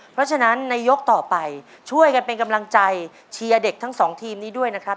เพราะฉะนั้นในยกต่อไปช่วยกันเป็นกำลังใจเชียร์เด็กทั้งสองทีมนี้ด้วยนะครับ